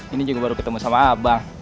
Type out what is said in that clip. ini juga baru ketemu sama abang